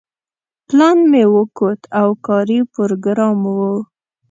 پلان مې وکوت او کاري پروګرام و.